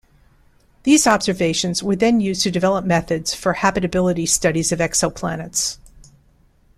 These observations were then used to develop methods for habitability studies of exoplanets.